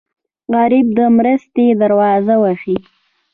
غریب د مرستې دروازه وهي